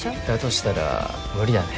したら無理だね。